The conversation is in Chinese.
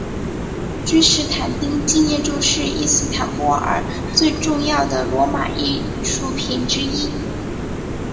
君士坦丁纪念柱是伊斯坦布尔最重要的罗马艺术品之一。